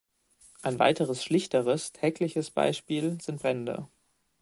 Ein weiteres schlichteres, tägliches Beispiel sind Brände.